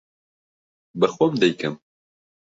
بە خۆم دەیکەم.